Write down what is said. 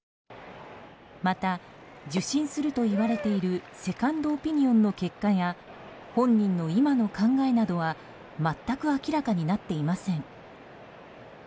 また受診するといわれているセカンドオピニオンの結果や本人の今の考えなどは全く明らかになっていません。